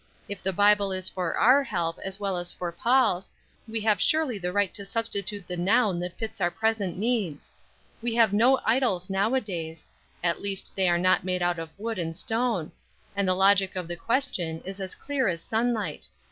If the Bible is for our help as well as for Paul's, we have surely the right to substitute the noun that fits our present needs. We have no idols nowadays; at least they are not made out of wood and stone; and the logic of the question is as clear as sunlight.